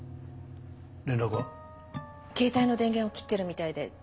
ケータイの電源を切ってるみたいで。